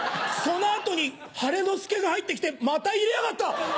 その後に晴の輔が入って来てまた入れやがった！